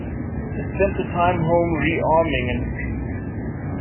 It spent the time home re-arming and recruiting.